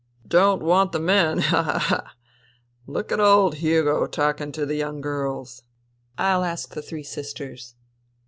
Don't want the men. Ha ! ha ! ha ! Look at old Hugo talking to the young girls !"'* I'll ask the three sisters.